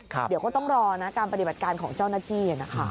เดี๋ยวก็ต้องรอนะการปฏิบัติการของเจ้าหน้าที่นะคะ